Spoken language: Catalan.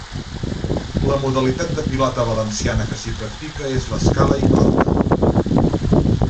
La modalitat de Pilota valenciana que s'hi practica és l'Escala i corda.